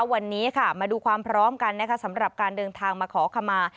วันนี้ค่ะมาดูความพร้อมกันนะคะสำหรับการเดินทางมาขอขมา